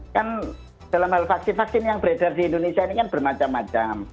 kan dalam hal vaksin vaksin yang beredar di indonesia ini kan bermacam macam